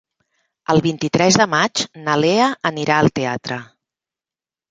El vint-i-tres de maig na Lea anirà al teatre.